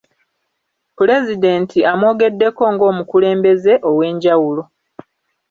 Pulezidenti amwogeddeko ng’omukulembeze ow’enjawulo.